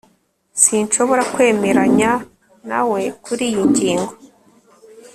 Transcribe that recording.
sinshobora kwemeranya nawe kuriyi ngingo